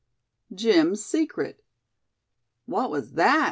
JIM'S SECRET. "What was that?"